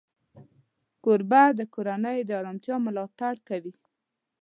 کوربه د کورنۍ د آرامتیا ملاتړ کوي.